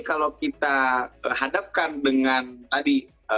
kalau kita hadapkan dengan tadi